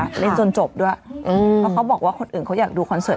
ถึงเป็นทีให้คุณจบด้วยอืมเพราะเขาบอกว่าคนอื่นเขาอยากดูคอนเสิร์ต